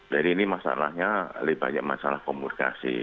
jadi ini masalahnya lebih banyak masalah kombuskasi